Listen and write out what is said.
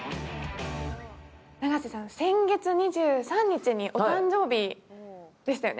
永瀬さん、先月２３日にお誕生日でしたよね？